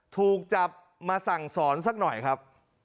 ถูกจับมาสั่งสอนสักหน่อยครับ